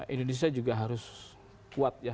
indonesia juga harus kuat ya